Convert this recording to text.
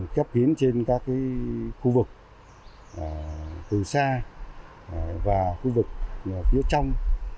cấp hiến trên các khu vực từ xa và khu vực phía trong